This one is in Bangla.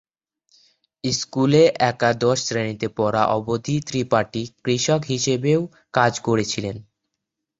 স্কুলে একাদশ শ্রেণিতে পড়া অবধি ত্রিপাঠি কৃষক হিসাবেও কাজ করেছিলেন।